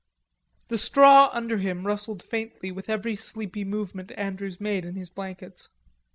The straw under him rustled faintly with every sleepy movement Andrews made in his blankets.